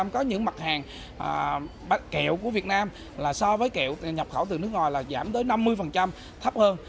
có những mặt hàng bánh kẹo của việt nam là so với kẹo nhập khẩu từ nước ngoài là giảm tới năm mươi thấp hơn